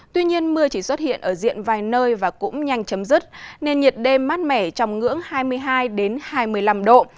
tuy nhiên mưa chỉ xuất hiện ở diện vài nơi và cũng nhanh chấm dứt nên nhiệt đêm mát mẻ trong ngưỡng hai mươi hai hai mươi năm độ